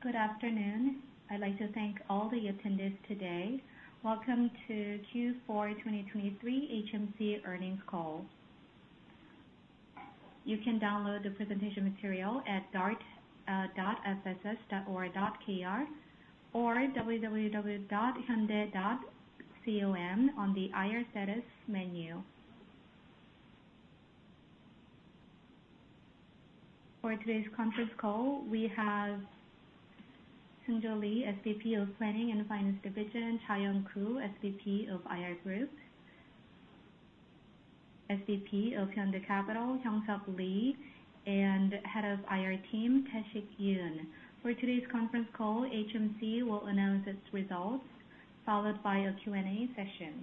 Good afternoon. I'd like to thank all the attendees today. Welcome to Q4 2023 HMC earnings call. You can download the presentation material at dart.fss.or.kr or www.hyundai.com on the IR section menu. For today's conference call, we have Seung Jo Lee, SVP of Planning and Finance Division, Zayong Koo, SVP of IR Group, SVP of Hyundai Capital, Hyung-Seok Lee, and Head of IR Team, Tae-Sik Yoon. For today's conference call, HMC will announce its results, followed by a Q&A session.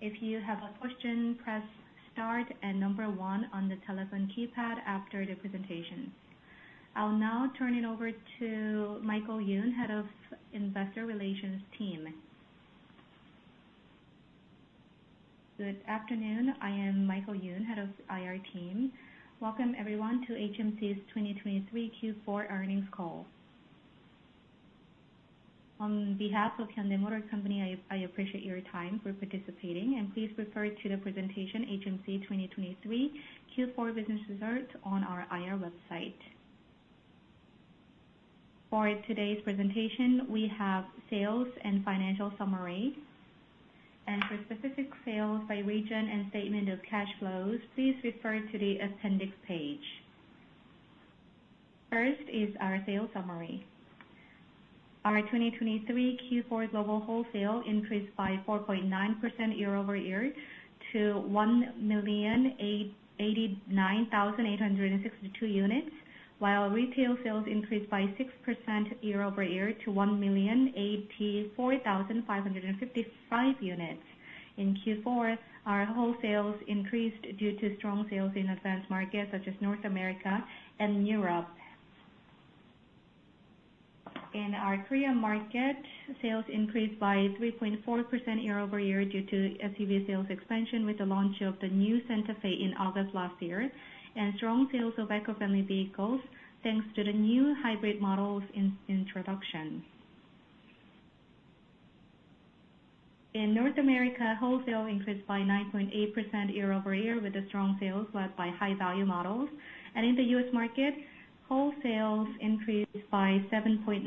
If you have a question, press start and number one on the telephone keypad after the presentation. I'll now turn it over to Michael Yoon, Head of Investor Relations Team. Good afternoon. I am Michael Yun, Head of IR Team. Welcome, everyone, to HMC's 2023 Q4 earnings call. On behalf of Hyundai Motor Company, I appreciate your time for participating, and please refer to the presentation HMC 2023 Q4 business results on our IR website. For today's presentation, we have sales and financial summary, and for specific sales by region and statement of cash flows, please refer to the appendix page. First is our sales summary. Our 2023 Q4 global wholesale increased by 4.9% year-over-year to 1,889,862 units, while retail sales increased by 6% year-over-year to 1,084,555 units. In Q4, our wholesales increased due to strong sales in advanced markets such as North America and Europe. In our Korea market, sales increased by 3.4% year-over-year due to SUV sales expansion with the launch of the new Santa Fe in August last year, and strong sales of eco-friendly vehicles, thanks to the new hybrid models introduction. In North America, wholesale increased by 9.8% year-over-year, with the strong sales led by high-value models. In the U.S. market, wholesales increased by 7.9%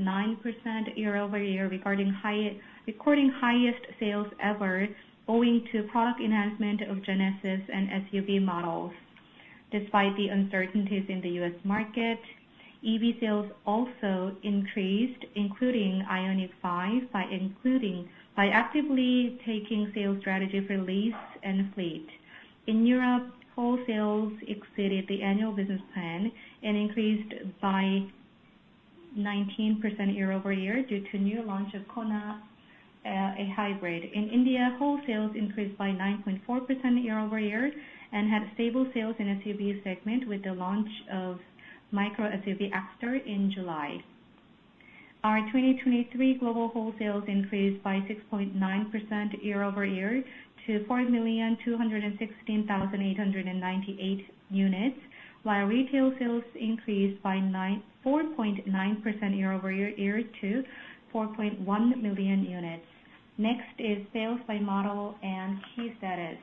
year-over-year, recording highest sales ever, owing to product enhancement of Genesis and SUV models. Despite the uncertainties in the U.S. market, EV sales also increased, including IONIQ 5, by actively taking sales strategies for lease and fleet. In Europe, wholesales exceeded the annual business plan and increased by 19% year-over-year due to new launch of KONA, a hybrid. In India, wholesales increased by 9.4% year-over-year and had stable sales in SUV segment with the launch of micro SUV EXTER in July. Our 2023 global wholesales increased by 6.9% year-over-year to 4,216,898 units, while retail sales increased by 4.9% year-over-year to 4.1 million units. Next is sales by model and key status.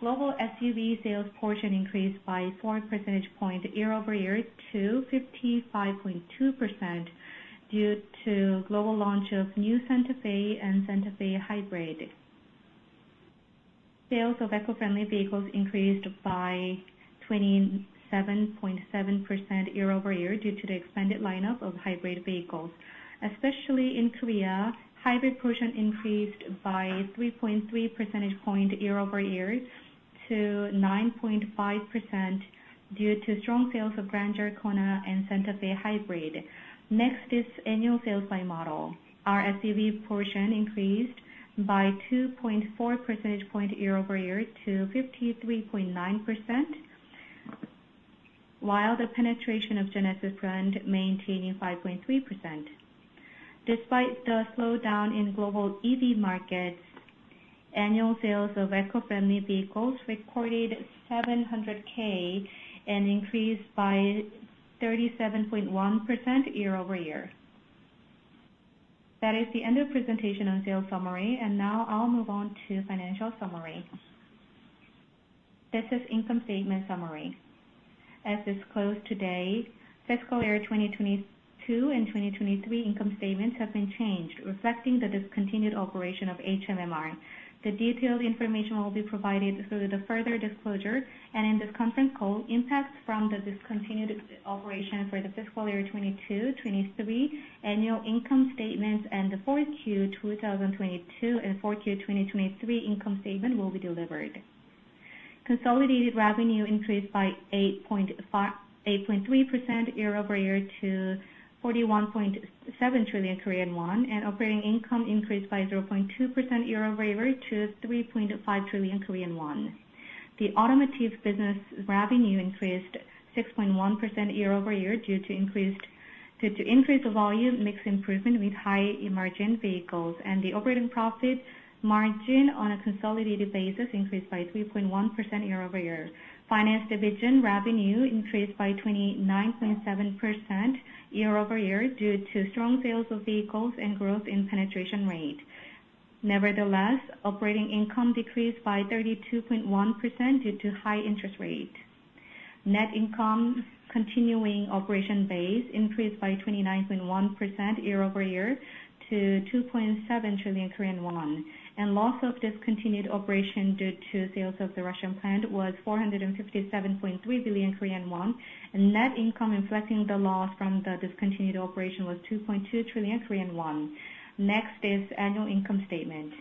Global SUV sales portion increased by 4 percentage points year-over-year to 55.2% due to global launch of new Santa Fe and Santa Fe Hybrid. Sales of eco-friendly vehicles increased by 27.7% year-over-year due to the expanded lineup of hybrid vehicles. Especially in Korea, hybrid portion increased by 3.3 percentage point year-over-year to 9.5% due to strong sales of Grandeur, KONA, and Santa Fe Hybrid. Next is annual sales by model. Our SUV portion increased by 2.4 percentage point year-over-year to 53.9%, while the penetration of Genesis brand maintaining 5.3%. Despite the slowdown in global EV markets, annual sales of eco-friendly vehicles recorded 700K, an increase by 37.1% year-over-year. That is the end of presentation on sales summary, and now I'll move on to financial summary. This is income statement summary. As disclosed today, fiscal year 2022 and 2023 income statements have been changed, reflecting the discontinued operation of HMMR. The detailed information will be provided through the further disclosure, and in this conference call, impacts from the discontinued operation for the fiscal year 2022, 2023, annual income statements, and the 4Q 2022 and 4Q 2023 income statement will be delivered. Consolidated revenue increased by 8.3% year-over-year to 41.7 trillion Korean won, and operating income increased by 0.2% year-over-year to 3.5 trillion Korean won. The automotive business revenue increased 6.1% year-over-year due to increased volume, mix improvement with high margin vehicles. The operating profit margin on a consolidated basis increased by 3.1% year-over-year. Finance division revenue increased by 29.7% year-over-year due to strong sales of vehicles and growth in penetration rate. Nevertheless, operating income decreased by 32.1% due to high interest rate. Net income, continuing operation base, increased by 29.1% year-over-year to 2.7 trillion Korean won. Loss of discontinued operation due to sales of the Russian plant was 457.3 billion Korean won, and net income reflecting the loss from the discontinued operation was 2.2 trillion Korean won. Next is annual income statement.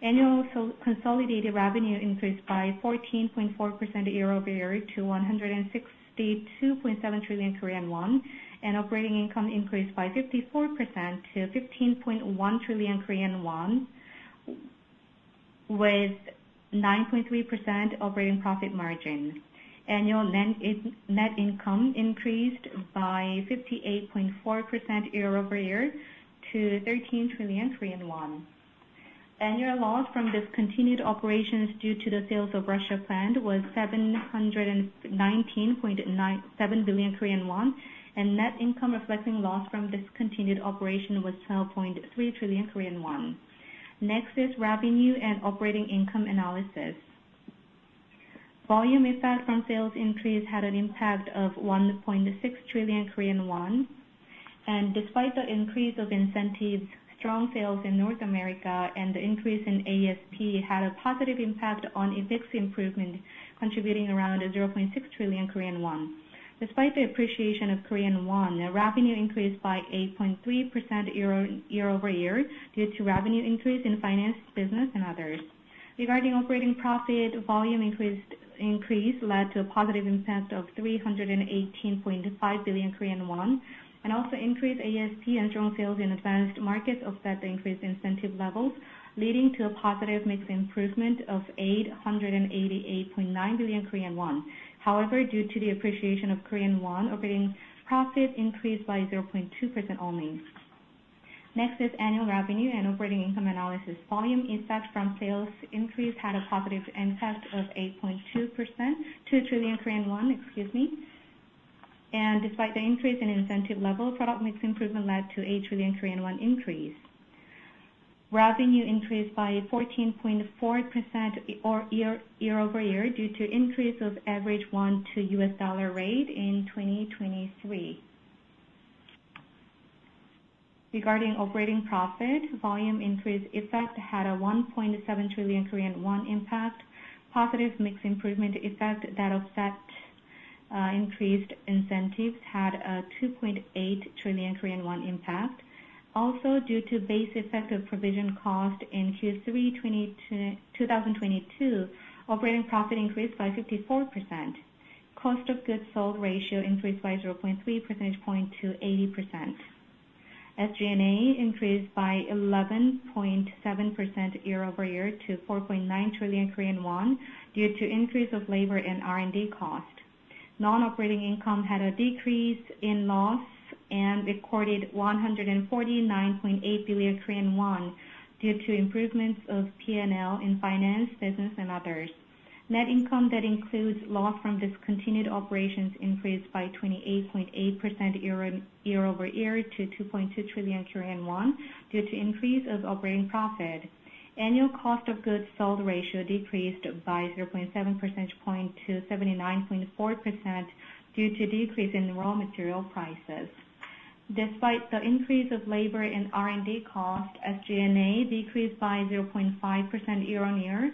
Annual consolidated revenue increased by 14.4% year-over-year to 162.7 trillion Korean won, and operating income increased by 54% to 15.1 trillion Korean won, with 9.3% operating profit margin. Annual net income increased by 58.4% year-over-year to KRW 13 trillion. Annual loss from discontinued operations due to the sales of Russia plant was 719.7 billion Korean won, and net income reflecting loss from discontinued operation was 12.3 trillion Korean won. Next is revenue and operating income analysis. Volume impact from sales increase had an impact of 1.6 trillion Korean won. Despite the increase of incentives, strong sales in North America and the increase in ASP had a positive impact on mix improvement, contributing around 0.6 trillion Korean won. Despite the appreciation of Korean won, the revenue increased by 8.3% year-over-year, due to revenue increase in finance, business, and others. Regarding operating profit, volume increased; increase led to a positive impact of 318.5 billion Korean won, and also increased ASP and strong sales in advanced markets offset the increased incentive levels, leading to a positive mix improvement of 888.9 billion Korean won. However, due to the appreciation of Korean won, operating profit increased by 0.2% only. Next is annual revenue and operating income analysis. Volume impact from sales increase had a positive impact of 8.2%, 2 trillion Korean won, excuse me. And despite the increase in incentive level, product mix improvement led to a 1 trillion Korean won increase. Revenue increased by 14.4% year-over-year, due to increase of average won to US dollar rate in 2023. Regarding operating profit, volume increase effect had a 1.7 trillion Korean won impact. Positive mix improvement effect that offset increased incentives had a 2.8 trillion Korean won impact. Also, due to base effect of provision cost in Q3 2022, operating profit increased by 54%. Cost of goods sold ratio increased by 0.3 percentage point to 80%. SG&A increased by 11.7% year-over-year to 4.9 trillion Korean won, due to increase of labor and R&D cost. Non-operating income had a decrease in loss and recorded 149.8 billion Korean won, due to improvements of PL in finance, business, and others. Net income that includes loss from discontinued operations increased by 28.8% year-over-year to 2.2 trillion Korean won, due to increase of operating profit. Annual cost of goods sold ratio decreased by 0.7 percentage point to 79.4%, due to decrease in raw material prices. Despite the increase of labor and R&D cost, SG&A decreased by 0.5% year-over-year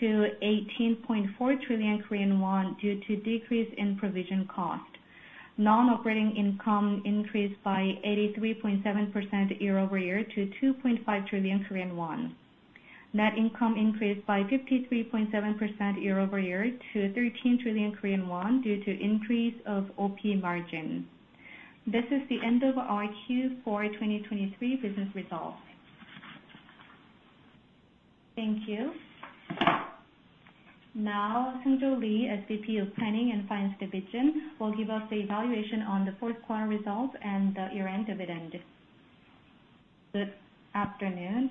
to 18.4 trillion Korean won, due to decrease in provision cost. Non-operating income increased by 83.7% year-over-year to 2.5 trillion Korean won. Net income increased by 53.7% year-over-year to 13 trillion Korean won, due to increase of OP margin. This is the end of our Q4 2023 business results. Thank you. Now, Seung Jo Lee, SVP of Planning and Finance Division, will give us the evaluation on the fourth quarter results and the year-end dividend. Good afternoon.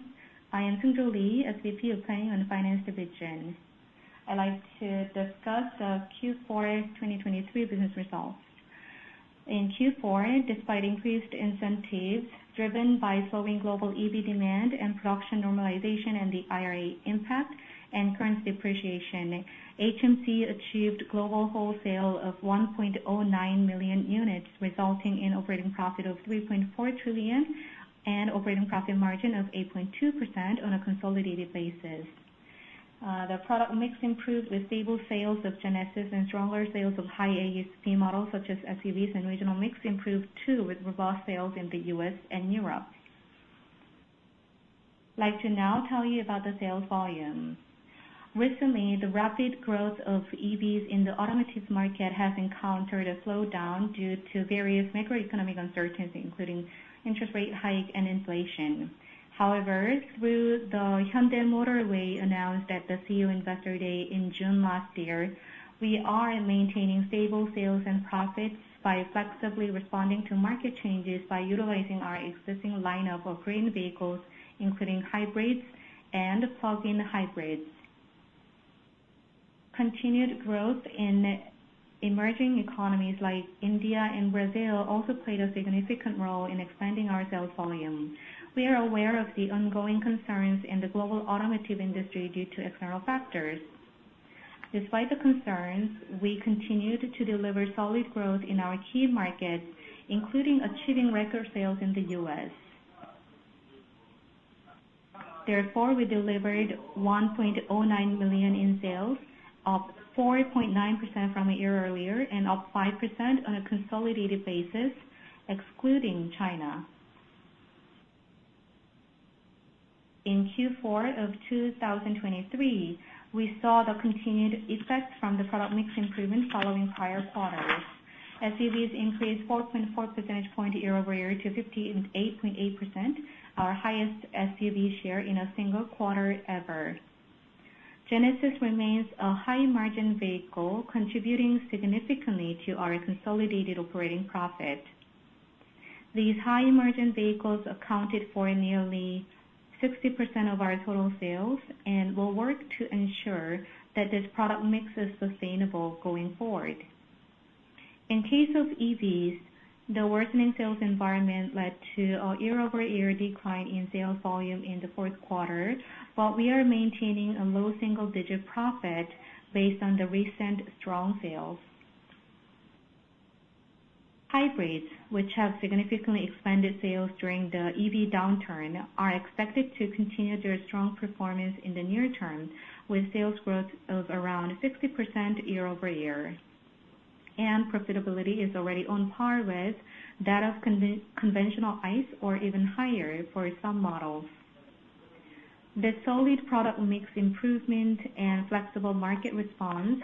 I am Seung Jo Lee, SVP of Planning and Finance Division. I'd like to discuss the Q4 2023 business results. In Q4, despite increased incentives, driven by slowing global EV demand and production normalization, and the IRA impact and currency appreciation, HMC achieved global wholesale of 1.09 million units, resulting in operating profit of 3.4 trillion and operating profit margin of 8.2% on a consolidated basis. The product mix improved with stable sales of Genesis and stronger sales of high ASP models such as SUVs, and regional mix improved too, with robust sales in the U.S. and Europe. I'd like to now tell you about the sales volume.... Recently, the rapid growth of EVs in the automotive market has encountered a slowdown due to various macroeconomic uncertainty, including interest rate hike and inflation. However, through the Hyundai Motorway announced at the CEO Investor Day in June last year, we are maintaining stable sales and profits by flexibly responding to market changes by utilizing our existing lineup of green vehicles, including hybrids and plug-in hybrids. Continued growth in emerging economies like India and Brazil also played a significant role in expanding our sales volume. We are aware of the ongoing concerns in the global automotive industry due to external factors. Despite the concerns, we continued to deliver solid growth in our key markets, including achieving record sales in the U.S. Therefore, we delivered 1.09 million in sales, up 4.9% from a year earlier and up 5% on a consolidated basis, excluding China. In Q4 of 2023, we saw the continued effect from the product mix improvement following prior quarters. SUVs increased 4.4 percentage points year-over-year to 58.8%, our highest SUV share in a single quarter ever. Genesis remains a high-margin vehicle, contributing significantly to our consolidated operating profit. These high-margin vehicles accounted for nearly 60% of our total sales and will work to ensure that this product mix is sustainable going forward. In case of EVs, the worsening sales environment led to a year-over-year decline in sales volume in the fourth quarter, but we are maintaining a low single-digit profit based on the recent strong sales. Hybrids, which have significantly expanded sales during the EV downturn, are expected to continue their strong performance in the near term, with sales growth of around 60% year-over-year. Profitability is already on par with that of conventional ICE or even higher for some models. The solid product mix improvement and flexible market response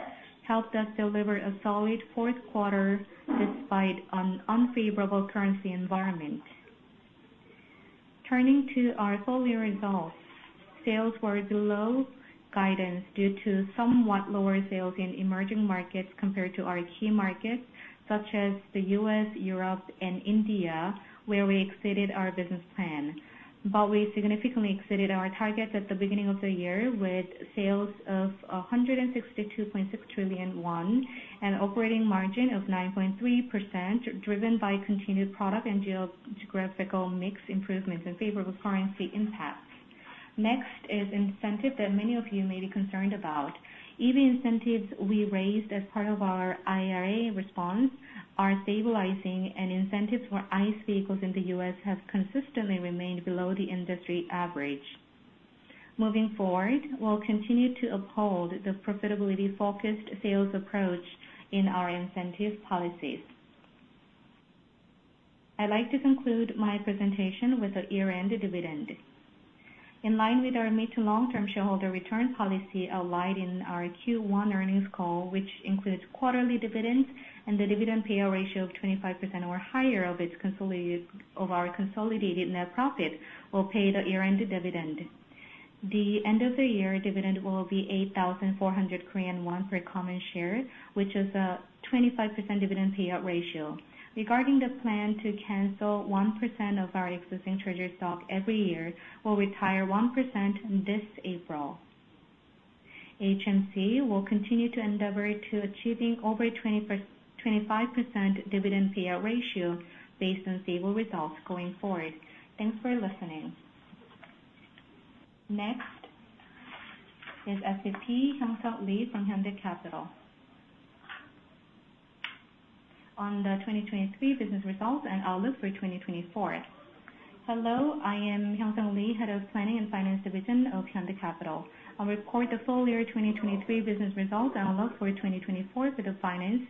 helped us deliver a solid fourth quarter despite an unfavorable currency environment. Turning to our full year results, sales were below guidance due to somewhat lower sales in emerging markets compared to our key markets, such as the U.S., Europe, and India, where we exceeded our business plan. But we significantly exceeded our targets at the beginning of the year, with sales of 162.6 trillion won, and operating margin of 9.3%, driven by continued product and geographical mix improvements and favorable currency impacts. Next is incentive that many of you may be concerned about. EV incentives we raised as part of our IRA response are stabilizing, and incentives for ICE vehicles in the U.S. have consistently remained below the industry average. Moving forward, we'll continue to uphold the profitability-focused sales approach in our incentive policies. I'd like to conclude my presentation with a year-end dividend. In line with our mid to long-term shareholder return policy outlined in our Q1 earnings call, which includes quarterly dividends and the dividend payout ratio of 25% or higher of our consolidated net profit, will pay the year-end dividend. The end of the year dividend will be 8,400 Korean won per common share, which is a 25% dividend payout ratio. Regarding the plan to cancel 1% of our existing treasury stock every year, we'll retire 1% this April. HMC will continue to endeavor to achieving over 25% dividend payout ratio based on stable results going forward. Thanks for listening. Next is SVP Hyung-Seok Lee from Hyundai Capital. On the 2023 business results and outlook for 2024. Hello, I am Hyung-Seok Lee, Head of Planning and Finance Division of Hyundai Capital. I'll report the full year 2023 business results and outlook for 2024 for the finance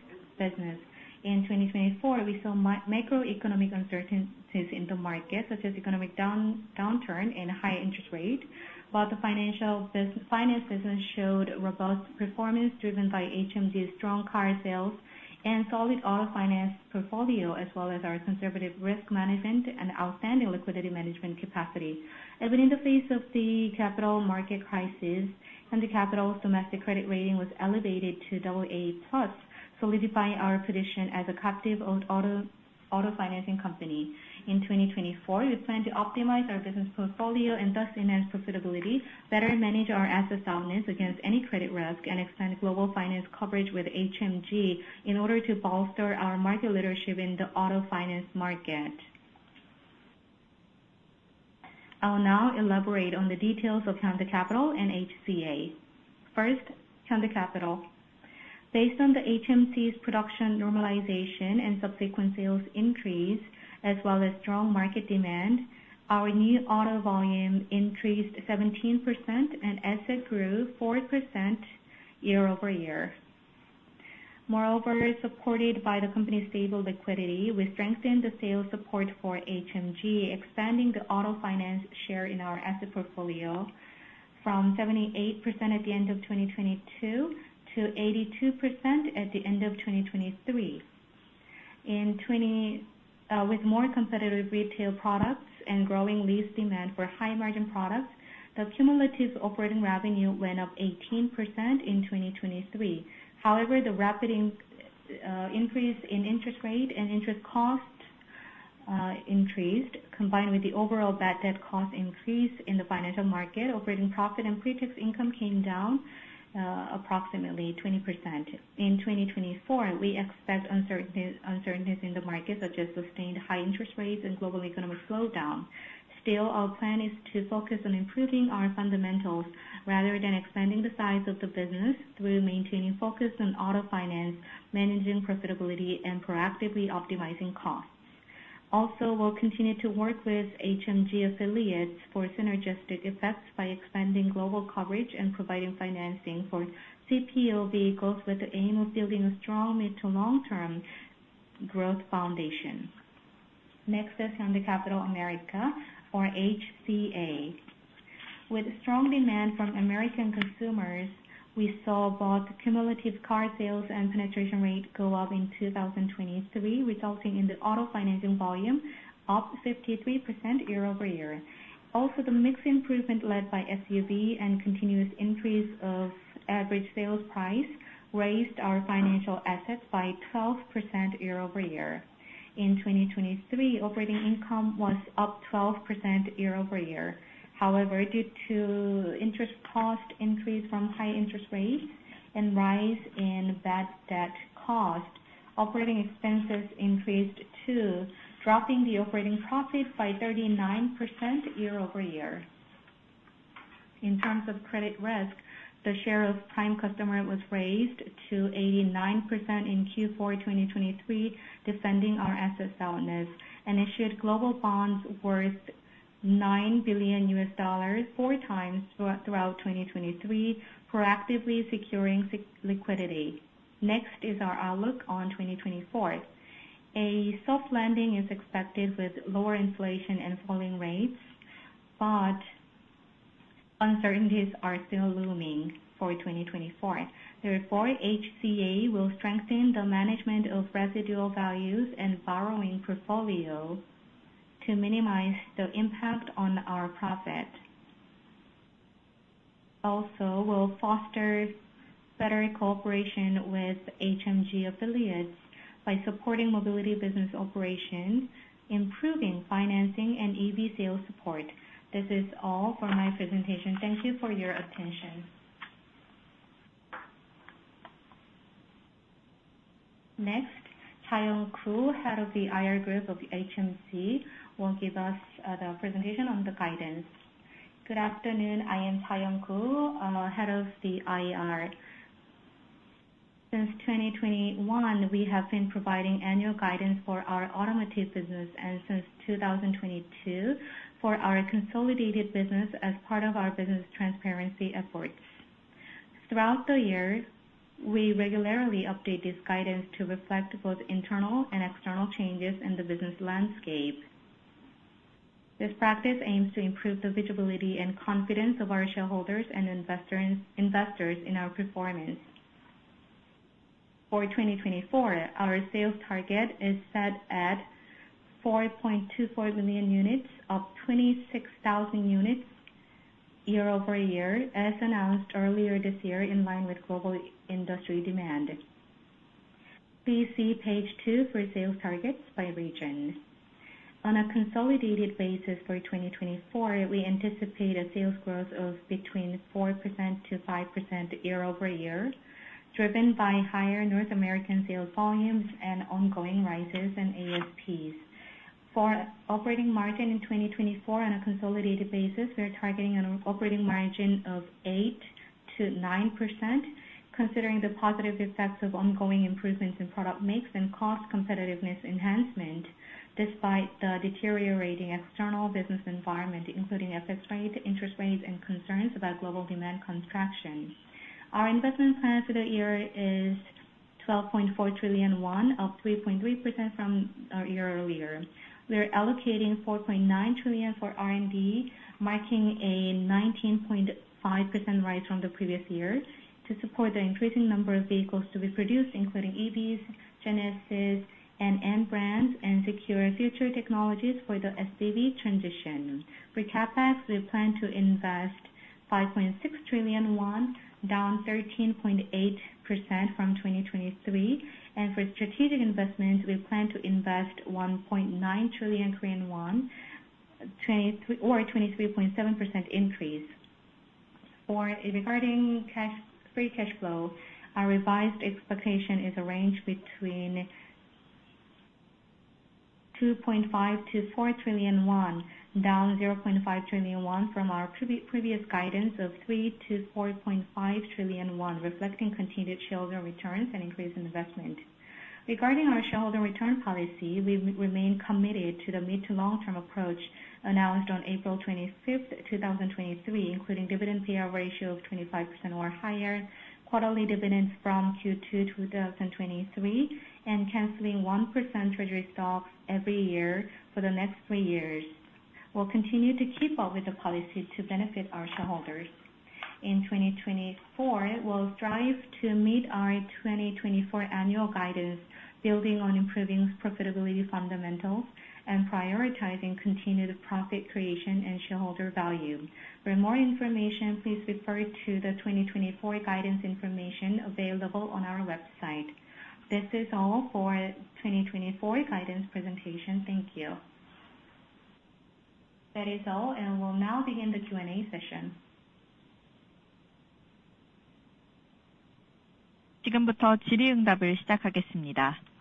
business. In 2024, we saw macroeconomic uncertainties in the market, such as economic downturn and high interest rate, while the finance business showed robust performance driven by HMG's strong car sales and solid auto finance portfolio, as well as our conservative risk management and outstanding liquidity management capacity. Even in the face of the capital market crisis, Hyundai Capital's domestic credit rating was elevated to double A plus, solidifying our position as a captive-owned auto financing company. In 2024, we plan to optimize our business portfolio and thus enhance profitability, better manage our asset soundness against any credit risk, and expand global finance coverage with HMG in order to bolster our market leadership in the auto finance market. I'll now elaborate on the details of Hyundai Capital and HCA. First, Hyundai Capital. Based on the HMC's production normalization and subsequent sales increase, as well as strong market demand, our new auto volume increased 17% and asset grew 4% year-over-year.... Moreover, supported by the company's stable liquidity, we strengthened the sales support for HMG, expanding the auto finance share in our asset portfolio from 78% at the end of 2022 to 82% at the end of 2023. In 2020, with more competitive retail products and growing lease demand for high-margin products, the cumulative operating revenue went up 18% in 2023. However, the rapid increase in interest rate and interest cost increased, combined with the overall bad debt cost increase in the financial market, operating profit and pre-tax income came down approximately 20%. In 2024, we expect uncertainties in the market, such as sustained high interest rates and global economic slowdown. Still, our plan is to focus on improving our fundamentals rather than expanding the size of the business through maintaining focus on auto finance, managing profitability, and proactively optimizing costs. Also, we'll continue to work with HMG affiliates for synergistic effects by expanding global coverage and providing financing for CPO vehicles with the aim of building a strong mid to long-term growth foundation. Next is Hyundai Capital America, or HCA. With strong demand from American consumers, we saw both cumulative car sales and penetration rate go up in 2023, resulting in the auto financing volume up 53% year-over-year. Also, the mix improvement, led by SUV and continuous increase of average sales price, raised our financial assets by 12% year-over-year. In 2023, operating income was up 12% year-over-year. However, due to interest cost increase from high interest rates and rise in bad debt cost, operating expenses increased too, dropping the operating profit by 39% year-over-year. In terms of credit risk, the share of prime customer was raised to 89% in Q4 2023, defending our asset soundness, and issued global bonds worth $9 billion four times throughout 2023, proactively securing liquidity. Next is our outlook on 2024. A soft landing is expected with lower inflation and falling rates, but uncertainties are still looming for 2024. Therefore, HCA will strengthen the management of residual values and borrowing portfolio to minimize the impact on our profit. Also, we'll foster better cooperation with HMG affiliates by supporting mobility business operations, improving financing, and EV sales support. This is all for my presentation. Thank you for your attention. Next, Zayong Koo, Head of the IR Group of HMC, will give us the presentation on the guidance. Good afternoon, I am Zayong Koo, I'm Head of the IR. Since 2021, we have been providing annual guidance for our automotive business, and since 2022, for our consolidated business as part of our business transparency efforts. Throughout the year, we regularly update this guidance to reflect both internal and external changes in the business landscape. This practice aims to improve the visibility and confidence of our shareholders and investors in our performance. For 2024, our sales target is set at 4.24 million units, up 26,000 units year-over-year, as announced earlier this year, in line with global industry demand. Please see page two for sales targets by region. On a consolidated basis for 2024, we anticipate a sales growth of between 4%-5% year-over-year, driven by higher North America sales volumes and ongoing rises in ASPs. For operating margin in 2024, on a consolidated basis, we are targeting an operating margin of 8%-9%, considering the positive effects of ongoing improvements in product mix and cost competitiveness enhancement, despite the deteriorating external business environment, including FX rate, interest rates, and concerns about global demand contraction. Our investment plan for the year is 12.4 trillion won, up 3.3% from a year earlier. We are allocating 4.9 trillion for R&D, marking a 19.5% rise from the previous year, to support the increasing number of vehicles to be produced, including EVs, Genesis, and N brands, and secure future technologies for the SDV transition. For CapEx, we plan to invest 5.6 trillion won, down 13.8% from 2023, and for strategic investments, we plan to invest 1.9 trillion Korean won, or a 23.7% increase. Regarding cash free cash flow, our revised expectation is a range between 2.5 trillion-4 trillion won, down 0.5 trillion won from our previous guidance of 3 trillion-4.5 trillion won, reflecting continued shareholder returns and increase in investment. Regarding our shareholder return policy, we remain committed to the mid- to long-term approach announced on April 25, 2023, including dividend payout ratio of 25% or higher, quarterly dividends from Q2 2023, and canceling 1% treasury stocks every year for the next three years. We'll continue to keep up with the policy to benefit our shareholders. In 2024, we'll strive to meet our 2024 annual guidance, building on improving profitability fundamentals and prioritizing continued profit creation and shareholder value. For more information, please refer to the 2024 guidance information available on our website. This is all for 2024 guidance presentation. Thank you. That is all, and we'll now begin the Q&A session.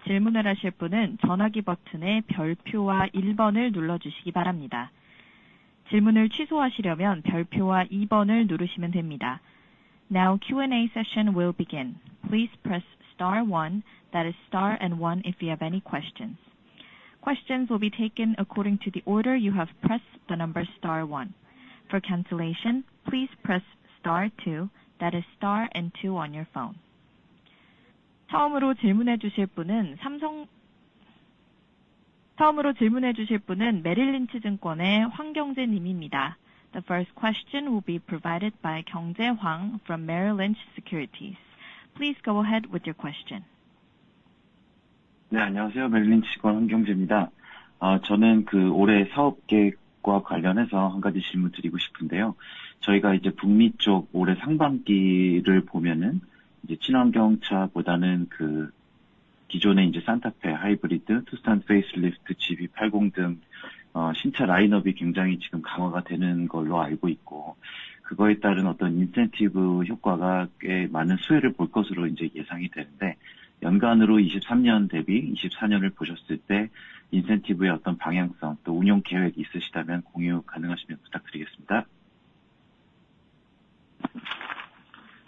Now, Q&A session will begin. Please press star one, that is star and one if you have any questions. Questions will be taken according to the order you have pressed the number star one. For cancellation, please press star two, that is star and two on your phone. The first question will be provided by Kyoung-Je Hwang from Merrill Lynch. Please go ahead with your question.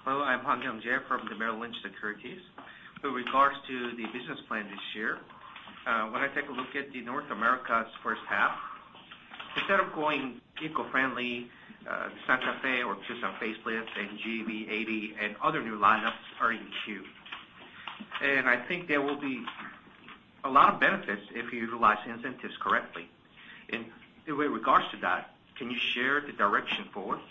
Hello, I'm Kyoung-Je Hwang from Merrill Lynch. With regards to the business plan this year, when I take a look at North America's first half, instead of going eco-friendly, Santa Fe or just a facelift and GV80 and other new lineups are in queue. And I think there will be a lot of benefits if you utilize the incentives correctly. In, with regards to that, can you share the direction for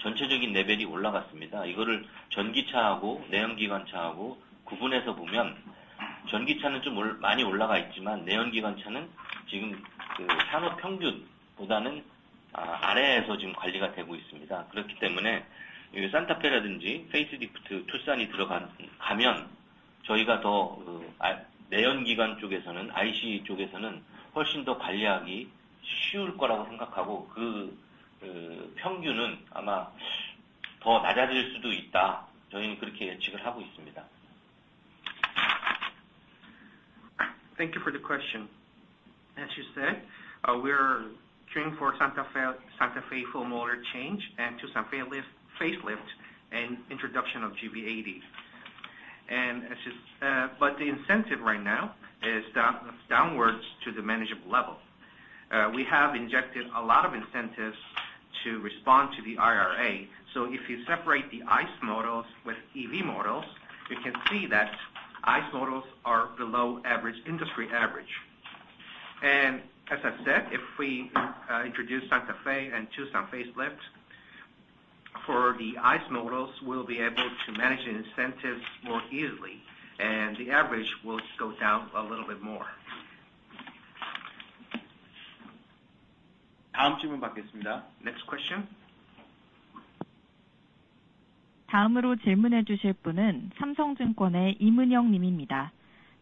us? Thank you for the question. As you said, we are trying for Santa Fe, Santa Fe full model change, and to some facelift, facelift and introduction of GV80. And as you, but the incentive right now is down, downwards to the manageable level. We have injected a lot of incentives to respond to the IRA, so if you separate the ICE models with EV models, you can see that ICE models are below average, industry average. And as I said, if we, introduce Santa Fe and Tucson facelift for the ICE models, we'll be able to manage the incentives more easily and the average will go down a little bit more. Next question?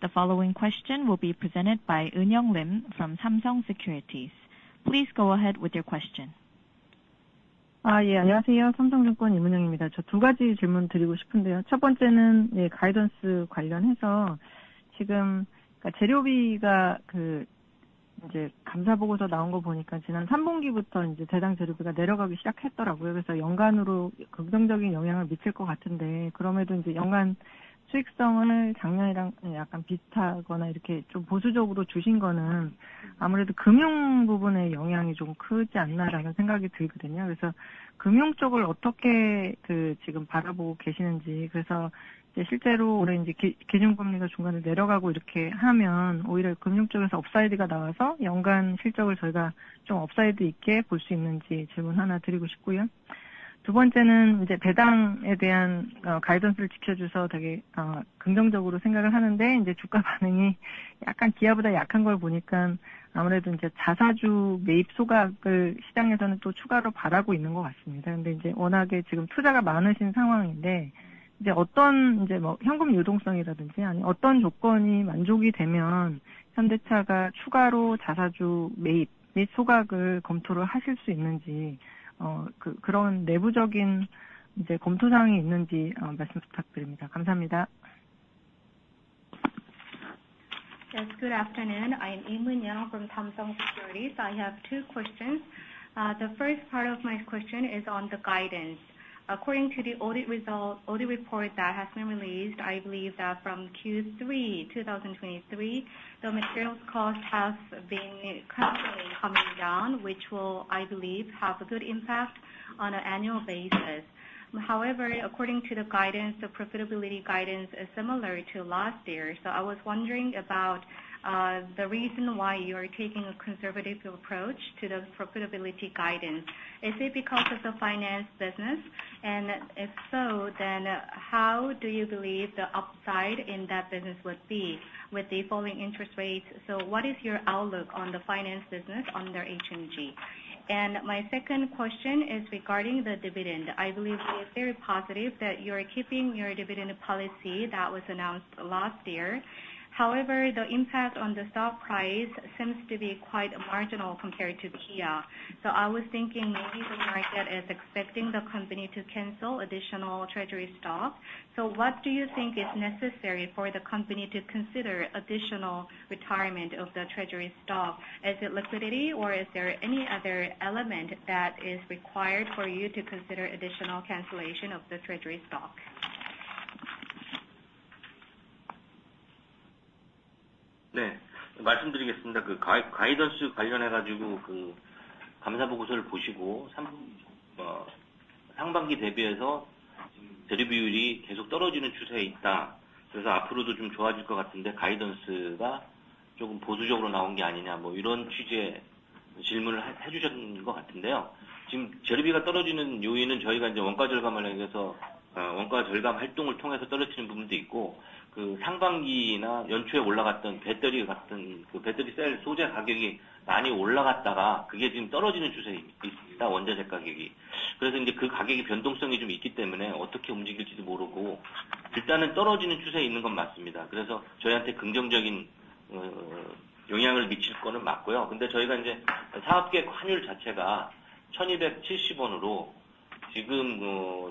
The following question will be presented by Eun-Young Lim from Samsung Securities. Please go ahead with your question. 두 번째는 이제 배당에 대한 가이던스를 지켜줘서 되게 긍정적으로 생각을 하는데, 이제 주가 반응이 약간 기아보다 약한 걸 보니까 아무래도 이제 자사주 매입 소각을 시장에서는 또 추가로 바라고 있는 것 같습니다. 근데 이제 워낙에 지금 투자가 많으신 상황인데, 이제 어떤 뭐 현금 유동성이라든지, 아니면 어떤 조건이 만족이 되면 현대차가 추가로 자사주 매입 및 소각을 검토를 하실 수 있는지, 그런 내부적인 이제 검토 사항이 있는지 말씀 부탁드립니다. 감사합니다. Yes, good afternoon. I am Eun-Young Lim from Samsung Securities. I have two questions. The first part of my question is on the guidance. According to the audit result, audit report that has been released, I believe that from Q3 2023, the materials cost has been constantly coming down, which will, I believe, have a good impact on an annual basis. However, according to the guidance, the profitability guidance is similar to last year. So I was wondering about the reason why you are taking a conservative approach to the profitability guidance. Is it because of the finance business? And if so, then how do you believe the upside in that business would be with the falling interest rates? So what is your outlook on the finance business under HMG? And my second question is regarding the dividend. I believe it is very positive that you are keeping your dividend policy that was announced last year. However, the impact on the stock price seems to be quite marginal compared to Kia. So I was thinking maybe the market is expecting the company to cancel additional treasury stock. So what do you think is necessary for the company to consider additional retirement of the treasury stock? Is it liquidity, or is there any other element that is required for you to consider additional cancellation of the treasury stock? 네, 말씀드리겠습니다. 그 가이던스 관련해서 그 감사보고서를 보시고, 상반기 대비해서 재료비율이 계속 떨어지는 추세에 있다. 그래서 앞으로도 좀 좋아질 것 같은데, 가이던스가 조금 보수적으로 나온 게 아니냐, 뭐 이런 취지의 질문을 해주셨는 것 같은데요. 지금 재료비가 떨어지는 요인은 저희가 이제 원가 절감을 위해서, 원가 절감 활동을 통해서 떨어뜨리는 부분도 있고, 그 상반기이나 연초에 올라갔던 배터리 같은, 그 배터리 셀 소재 가격이 많이 올라갔다가 그게 지금 떨어지는 추세에 있습니다, 원자재 가격이. 그래서 이제 그 가격이 변동성이 좀 있기 때문에 어떻게 움직일지도 모르고, 일단은 떨어지는 추세에 있는 건 맞습니다. 그래서 저희한테 긍정적인 영향을 미칠 거는 맞고요. 근데 저희가 이제 사업계 환율 자체가 KRW 1,270으로, 지금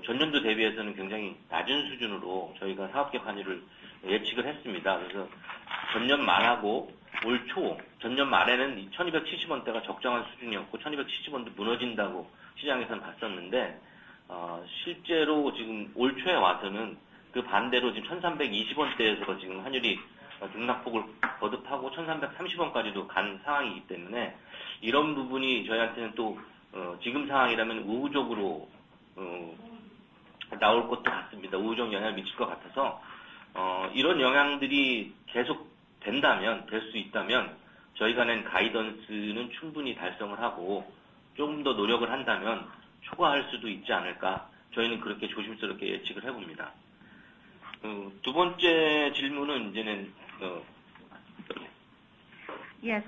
전년도 대비해서는 굉장히 낮은 수준으로 저희가 사업계 환율을 예측을 했습니다. 그래서 전년 말하고 올 초, 전년 말에는 이 1,270원대가 적정한 수준이었고, 1,270원도 무너진다고 시장에서는 봤었는데, 실제로 지금 올초에 와서는 그 반대로 지금 1,320원대에서 지금 환율이 등락폭을 거듭하고 1,330원까지도 간 상황이기 때문에, 이런 부분이 저희한테는 또 지금 상황이라면 우호적으로 나올 것도 같습니다. 우호적 영향을 미칠 것 같아서, 이런 영향들이 계속 된다면, 될수 있다면, 저희가 낸 가이던스는 충분히 달성을 하고, 조금 더 노력을 한다면 초과할 수도 있지 않을까, 저희는 그렇게 조심스럽게 예측을 해봅니다. 두 번째 질문은 이제는 Yes,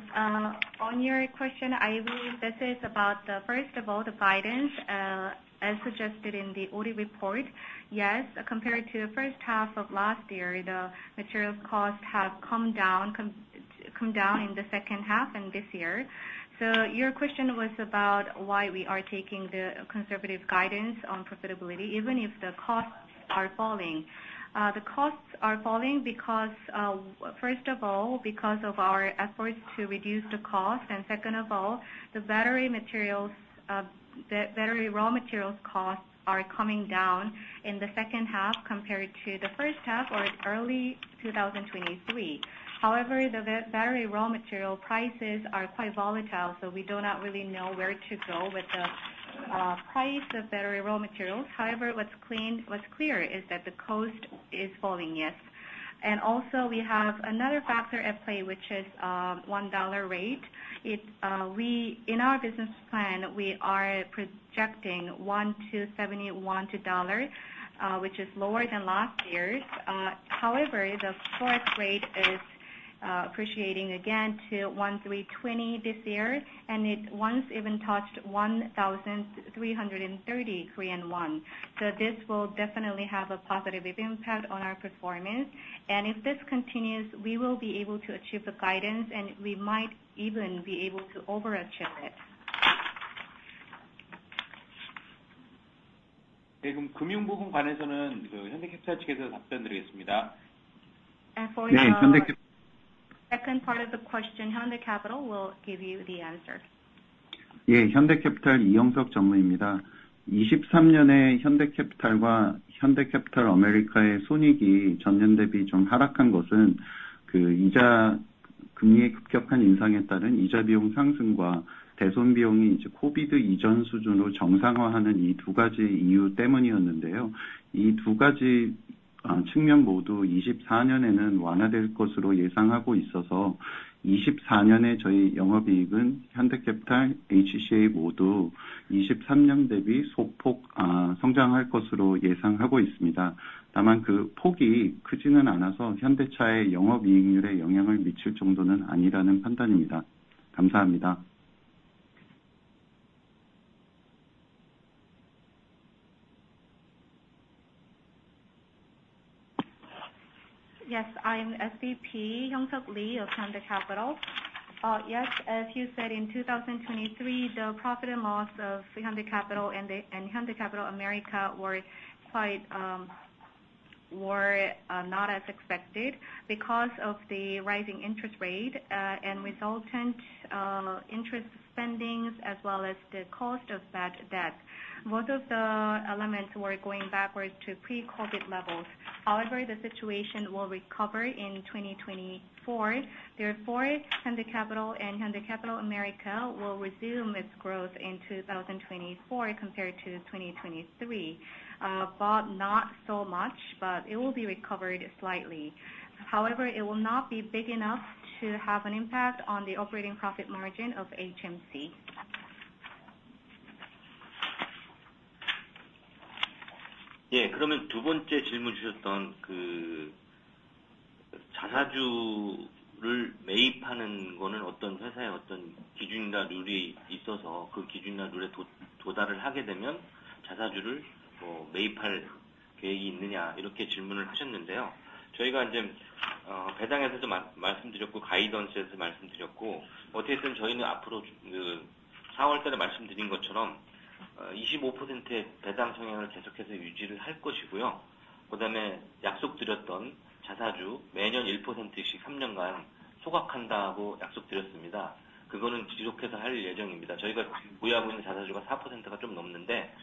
on your question, I believe this is about the, first of all, the guidance, as suggested in the audit report. Yes, compared to the first half of last year, the materials costs have come down, come down in the second half and this year. So your question was about why we are taking the conservative guidance on profitability, even if the costs are falling. The costs are falling because, first of all, because of our efforts to reduce the cost, and second of all, the battery materials, the battery raw materials costs are coming down in the second half compared to the first half or early 2023. However, the battery raw material prices are quite volatile, so we do not really know where to go with the, price of battery raw materials. However, what's clean, what's clear is that the cost is falling, yes. And also, we have another factor at play, which is, one dollar rate. It, in our business plan, we are projecting 1 to 71 to dollar, which is lower than last year's. However, the correct rate is, appreciating again to 1,320 this year, and it once even touched 1,330 Korean won. So this will definitely have a positive impact on our performance, and if this continues, we will be able to achieve the guidance, and we might even be able to overachieve it. 네, 그럼 금융 부분에 관해서는 그 현대캐피탈 측에서 답변드리겠습니다. And for the- 네, 현대캐- Second part of the question, Hyundai Capital will give you the answer. 예, 현대캐피탈 이형석 전무입니다. 2023년에 현대캐피탈과 현대캐피탈 아메리카의 손익이 전년 대비 좀 하락한 것은 그 이자, 금리의 급격한 인상에 따른 이자 비용 상승과 대손 비용이 이제 COVID 이전 수준으로 정상화하는 이두 가지 이유 때문이었는데요. 이두 가지 요...... 측면 모두 2024년에는 완화될 것으로 예상하고 있어서, 2024년에 저희 영업이익은 현대캐피탈 HCA 모두 2023년 대비 소폭, 성장할 것으로 예상하고 있습니다. 다만 그 폭이 크지는 않아서 현대차의 영업이익률에 영향을 미칠 정도는 아니라는 판단입니다. 감사합니다. Yes, I'm SVP, Hyung-Seok Lee of Hyundai Capital. Yes, as you said, in 2023, the profit and loss of Hyundai Capital and Hyundai Capital America were quite were not as expected because of the rising interest rate and resultant interest spendings as well as the cost of bad debt. Most of the elements were going backwards to pre-COVID levels. However, the situation will recover in 2024. Therefore, Hyundai Capital and Hyundai Capital America will resume its growth in 2024 compared to 2023. But not so much, but it will be recovered slightly. However, it will not be big enough to have an impact on the operating profit margin of HMC. 예, 그러면 두 번째 질문 주셨던 그 자사주를 매입하는 거는 어떤 회사의 어떤 기준이나 룰이 있어서, 그 기준이나 룰에 도달을 하게 되면 자사주를 매입할 계획이 있느냐? 이렇게 질문을 하셨는데요. 저희가 이제 배당에서도 말씀드렸고, 가이던스에서도 말씀드렸고, 어찌됐든 저희는 앞으로 그 4월에 말씀드린 것처럼, 25%의 배당 성향을 계속해서 유지를 할 것이고요. 그다음에 약속드렸던 자사주, 매년 1%씩 3년간 소각한다고 약속드렸습니다. 그거는 지속해서 할 예정입니다. 저희가 보유하고 있는 자사주가 4%가 좀 넘는데,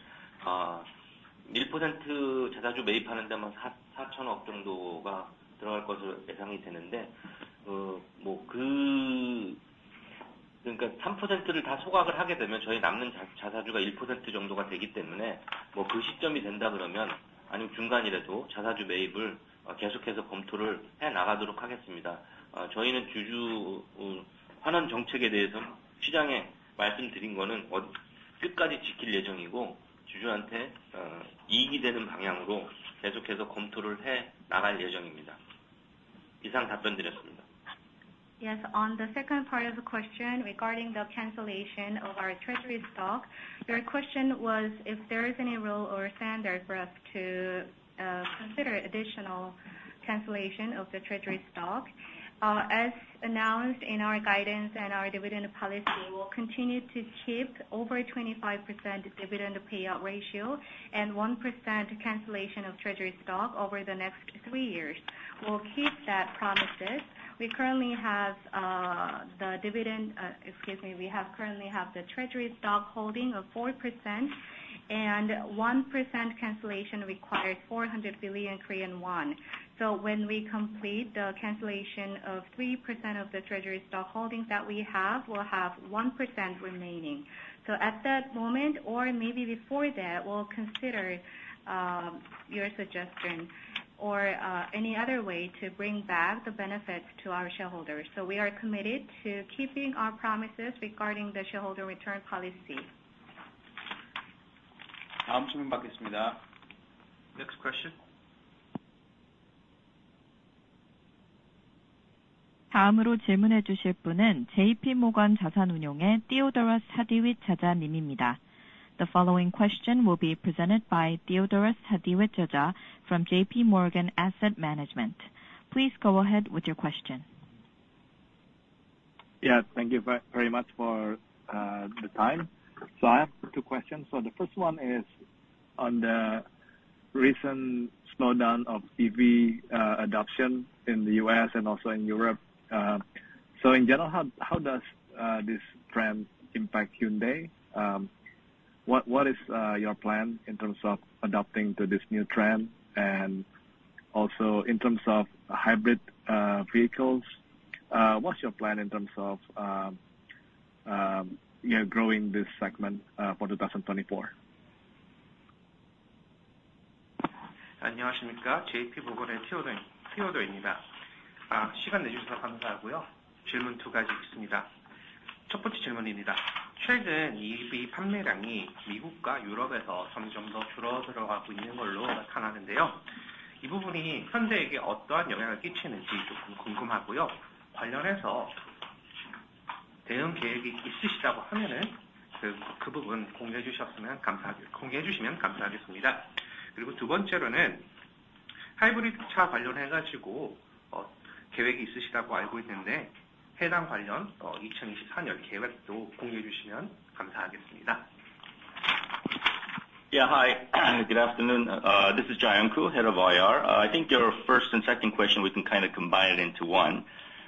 1% 자사주 매입하는 데 400 billion 정도가 들어갈 것으로 예상이 되는데, 그뭐 그... 그러니까 3%를 다 소각을 하게 되면 저희 남는 자사주가 1% 정도가 되기 때문에, 뭐, 그 시점이 된다 그러면, 아니면 중간이라도 자사주 매입을 계속해서 검토를 해 나가도록 하겠습니다. 저희는 주주 환원 정책에 대해서 시장에 말씀드린 거는 원칙- 끝까지 지킬 예정이고, 주주한테 이익이 되는 방향으로 계속해서 검토를 해 나갈 예정입니다. 이상 답변드렸습니다. Yes, on the second part of the question, regarding the cancellation of our treasury stock, your question was if there is any rule or standard for us to consider additional cancellation of the treasury stock. As announced in our guidance and our dividend policy, we will continue to keep over 25% dividend payout ratio and 1% cancellation of treasury stock over the next three years. We'll keep that promises. We currently have the dividend, excuse me, we have currently have the treasury stock holding of 4%, and 1% cancellation requires 400 billion Korean won. So when we complete the cancellation of 3% of the treasury stock holdings that we have, we'll have 1% remaining. So at that moment, or maybe before that, we'll consider your suggestion or any other way to bring back the benefits to our shareholders. So we are committed to keeping our promises regarding the shareholder return policy. 다음 질문 받겠습니다. Next question? 다음으로 질문해 주실 분은 J.P. Morgan 자산운용의 Theodore Hadewijch 자자 님입니다. The following question will be presented by Theodore Hadewijch from J.P. Morgan Asset Management. Please go ahead with your question. Yeah, thank you very much for the time. So I have two questions. So the first one is on the recent slowdown of EV adoption in the U.S. and also in Europe. So in general, how does this trend impact Hyundai? What is your plan in terms of adapting to this new trend? And also in terms of hybrid vehicles, what's your plan in terms of you know, growing this segment for 2024? 안녕하십니까? J.P. Morgan의 Theodore, Theodore입니다. 시간 내주셔서 감사하고요. 질문 두 가지 있습니다. 첫 번째 질문입니다. 최근 EV 판매량이 미국과 유럽에서 점점 더 줄어 들어가고 있는 걸로 나타나는데요. 이 부분이 현대에게 어떠한 영향을 끼치는지 조금 궁금하고요. 관련해서 대응 계획이 있으시다고 하면은, 그 부분 공유해 주셨으면 감사하겠습니다. 공유해 주시면 감사하겠습니다. 그리고 두 번째로는 하이브리드 차 관련해가지고, 계획이 있으시다고 알고 있는데, 해당 관련, 2024년 계획도 공유해 주시면 감사하겠습니다. Yeah. Hi, good afternoon. This is Zayong Koo, Head of IR. I think your first and second question, we can kind of combine it into one.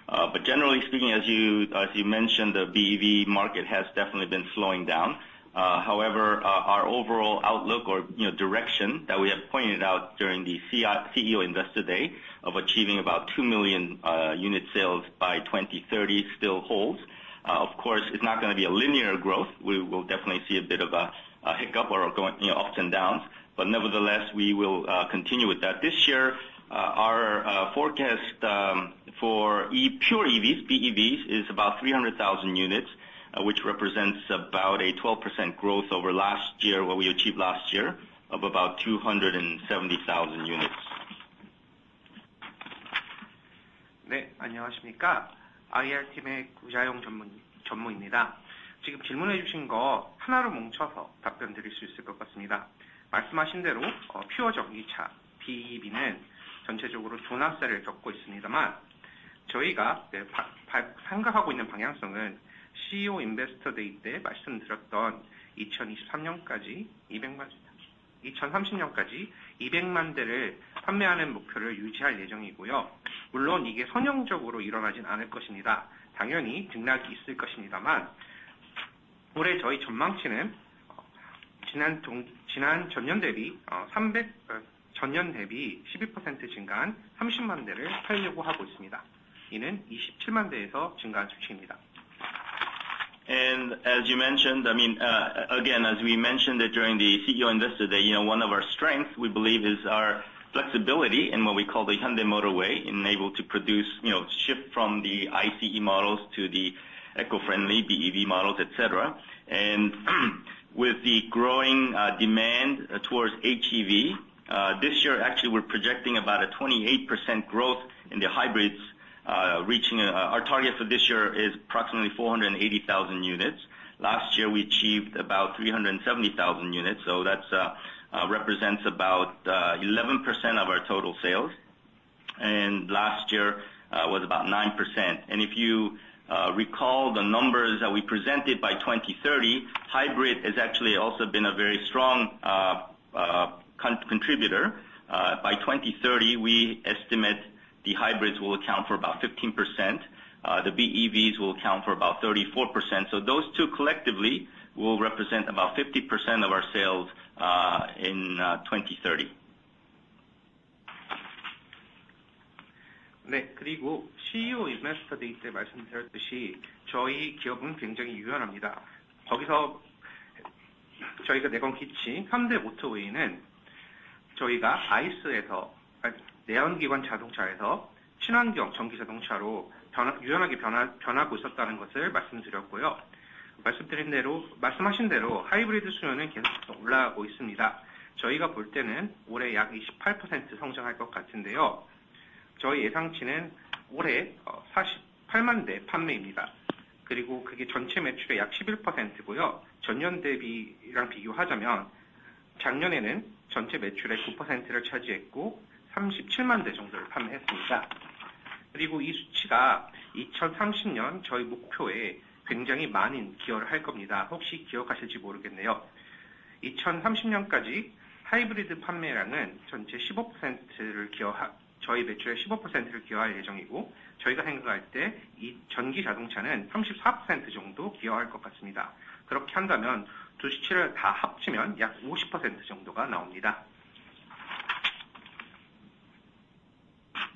But generally speaking, as you, as you mentioned, the BEV market has definitely been slowing down. However, our, our overall outlook or, you know, direction that we have pointed out during the CEO, CEO Investor Day of achieving about 2 million unit sales by 2030 still holds. ...Of course, it's not gonna be a linear growth. We will definitely see a bit of a hiccup or going, you know, ups and downs, but nevertheless, we will continue with that. This year, our forecast for EV pure EVs, BEVs is about 300,000 units, which represents about a 12% growth over last year, what we achieved last year, of about 270,000 units. As you mentioned, I mean, again, as we mentioned it during the CEO Investor Day, you know, one of our strengths, we believe, is our flexibility in what we call the Hyundai Motorway, enabled to produce, you know, shift from the ICE models to the eco-friendly BEV models, et cetera. And with the growing demand towards HEV, this year, actually, we're projecting about a 28% growth in the hybrids, reaching our target for this year is approximately 480,000 units. Last year, we achieved about 370,000 units, so that represents about 11% of our total sales, and last year was about 9%. And if you recall the numbers that we presented by 2030, hybrid has actually also been a very strong contributor. By 2030, we estimate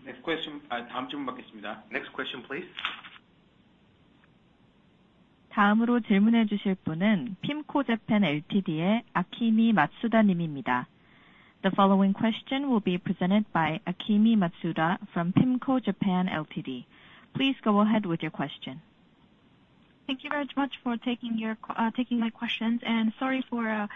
the hybrids will account for about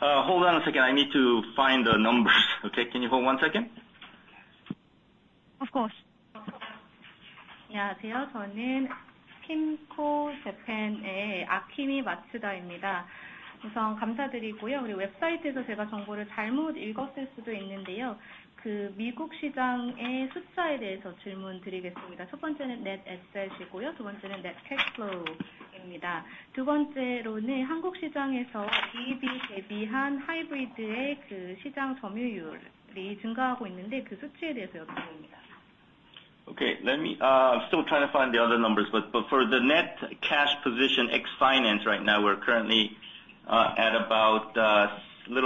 trying to find the other numbers, but, but for the net cash position ex finance right now, we're currently at about a little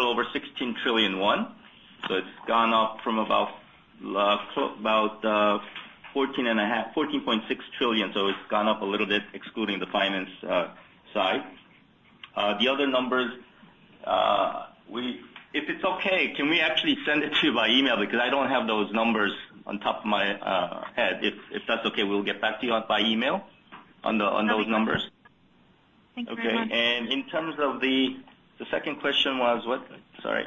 over KRW 16 trillion. So it's gone up from about fourteen and a half, fourteen point six trillion. So it's gone up a little bit, excluding the finance side. The other numbers, we... If it's okay, can we actually send it to you by email? Because I don't have those numbers on top of my head. If, if that's okay, we'll get back to you by email on the, on those numbers. Thank you very much. Okay, and in terms of the, the second question was what? Sorry,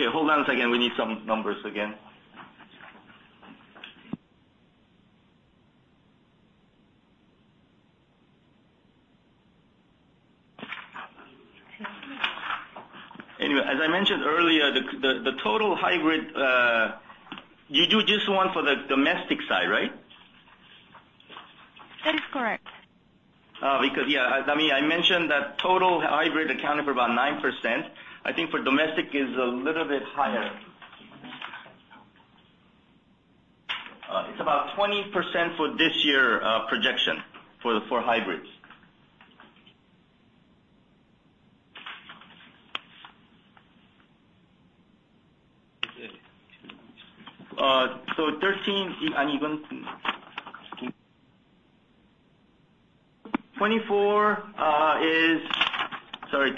what?... Hold on a second, we need some numbers again. Anyway, as I mentioned earlier, the total hybrid, you do this one for the domestic side, right? That is correct. Because, yeah, I mean, I mentioned that total hybrid accounted for about 9%. I think for domestic is a little bit higher. It's about 20% for this year, projection for hybrids. So 13, and even 2024, is... Sorry,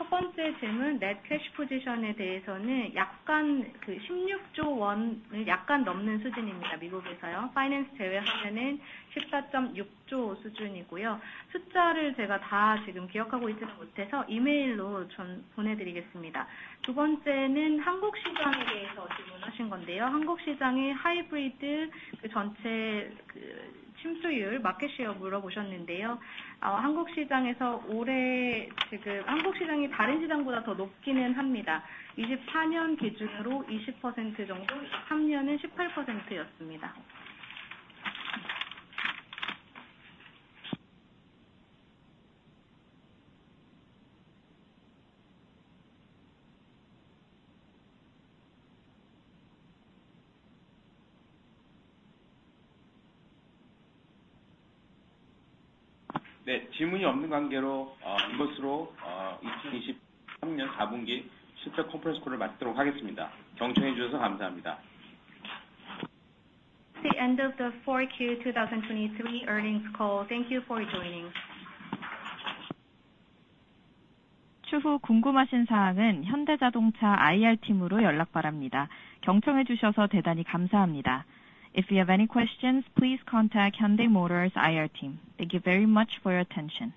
about 20% is the penetration for 2024. Last year, 2023 was about 18%. Net cash position in finance KRW 16.6. Hybrid market share. The end of the Q4 2023 earnings call. Thank you for joining. If you have any questions, please contact Hyundai Motor IR team. Thank you very much for your attention!